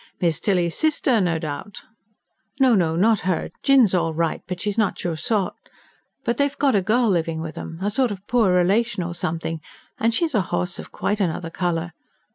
"Miss Tilly's sister, no doubt?" "No, no not her. Jinn's all right, but she's not your sort. But they've got a girl living with 'em a sort o' poor relation, or something and she's a horse of quite another colour.